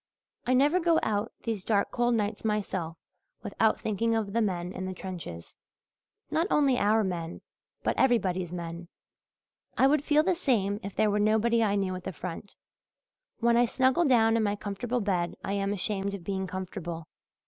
I never go out these dark cold nights myself without thinking of the men in the trenches not only our men but everybody's men. I would feel the same if there were nobody I knew at the front. When I snuggle down in my comfortable bed I am ashamed of being comfortable.